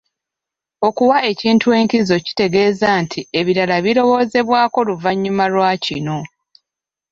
Okuwa ekintu enkizo kitegeeza nti ebiralala birowoozebwako luvannyuma lwa kino.